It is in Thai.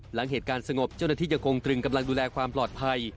หลังเหตุการณ์สงบเจ้าหน้าที่ยังคงตรึงกำลังดูแลความปลอดภัย